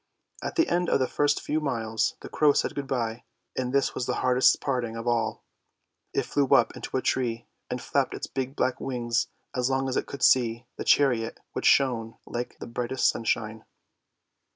At the end of the first few miles the crow said good bye, and this was the hardest parting of all. It flew up into a tree and flapped its big black wings as long as it could see the chariot which shone like the brightest sunshine.